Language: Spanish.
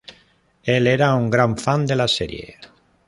Él era un gran fan de la serie.